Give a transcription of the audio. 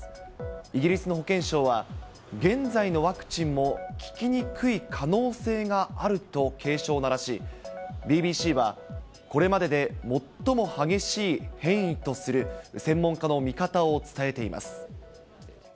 イギリスの保健相は、現在のワクチンも効きにくい可能性があると警鐘を鳴らし、ＢＢＣは、これまでで最も激しい変異とする専門家の見方を伝えています。